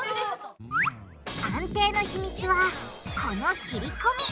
安定の秘密はこの切りこみ！